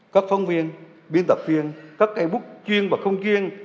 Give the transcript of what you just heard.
các phong viên biên tập viên các e book chuyên và không chuyên